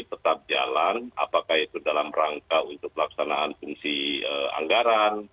tetap jalan apakah itu dalam rangka untuk pelaksanaan fungsi anggaran